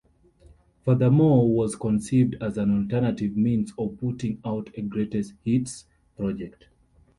"Furthermore" was conceived as an alternative means of putting out a greatest hits project.